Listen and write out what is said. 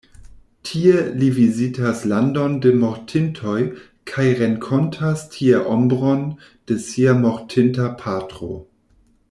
Tie li vizitas Landon de Mortintoj kaj renkontas tie ombron de sia mortinta patro.